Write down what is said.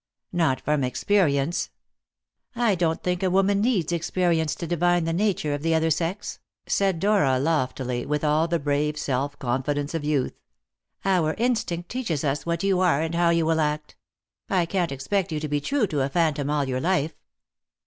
"Not from experience." "I don't think a woman needs experience to divine the nature of the other sex," said Dora loftily, with all the brave self confidence of youth; "our instinct teaches us what you are and how you will act. I can't expect you to be true to a phantom all your life."